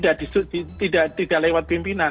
kan tidak lewat pimpinan